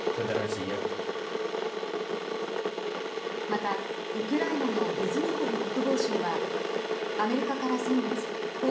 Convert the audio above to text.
また、ウクライナのレズニコフ国防相はアメリカから先月高